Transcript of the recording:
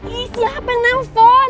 ih siapa yang nelfon